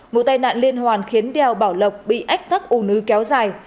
vụ tai nạn liên hoàn khiến đèo bảo lộc bị ách thắt ùn ứ kéo dài